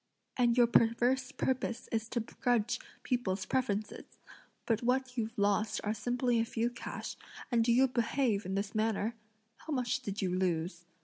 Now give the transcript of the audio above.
and your perverse purpose is to begrudge people's preferences! But what you've lost are simply a few cash, and do you behave in this manner? How much did you lose?"